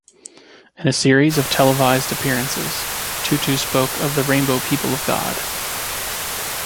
In a series of televised appearances, Tutu spoke of the "Rainbow People of God".